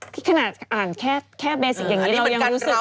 ขนาดอ่านแค่เบสิกอย่างนี้เรายังรู้สึกว่า